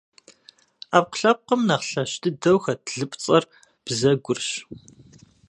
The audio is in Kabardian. Ӏэпкълъэпкъым нэхъ лъэщ дыдэу хэт лыпцӏэр - бзэгурщ.